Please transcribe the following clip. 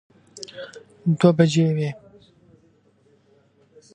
دوه بجې وې.